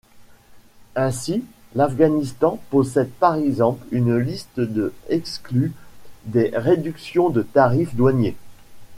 Ainsi, l'Afghanistan possède par exemple une liste de exclus des réductions de tarifs douaniers.